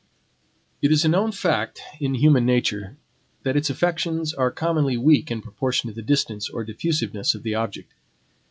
It is a known fact in human nature, that its affections are commonly weak in proportion to the distance or diffusiveness of the object.